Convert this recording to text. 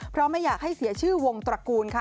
เพราะไม่อยากให้เสียชื่อวงตระกูลค่ะ